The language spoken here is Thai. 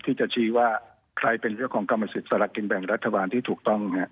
ที่จะชี้ว่าใครเป็นเรื่องของกรรมศิษย์ศาละเก็งแบ่งรัฐบาลที่ถูกต้อง